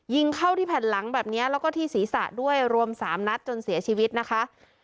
ยิงเข้าที่แผ่นหลังแบบนี้แล้วก็ที่ศีรษะด้วยรวม๓นัดจนเสียชีวิตนะคะ